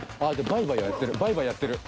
バイバイやってる］